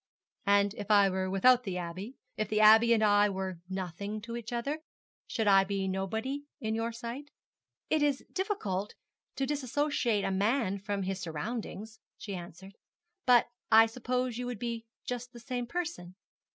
'And if I were without the Abbey if the Abbey and I were nothing to each other should I be nobody in your sight?' 'It is difficult to dissociate a man from his surroundings,' she answered; 'but I suppose you would be just the same person?'